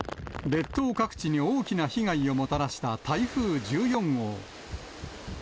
列島各地に大きな被害をもたらした台風１４号。